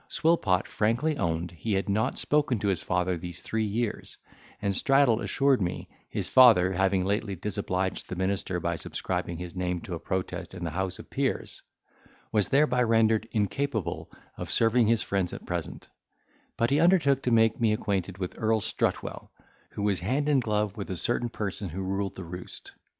Swillpot frankly owned he had not spoken to his father these three years; and Straddle assured me, his father, having lately disobliged the minister by subscribing his name to a protest in the house of peers, was thereby rendered incapable of serving his friends at present; but he undertook to make me acquainted with Earl Strutwell, who was hand and glove with a certain person who ruled the roast.